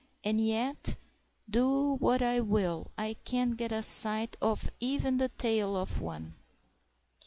And yet, do what I will, I can't get a sight of even the tail of one."